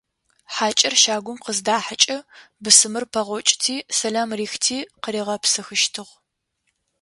Хьакӏэр щагум къыздахьэкӏэ бысымыр пэгъокӏти, сэлам рихти къыригъэпсыхыщтыгъ.